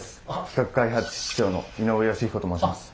企画開発室長の井上慶彦と申します。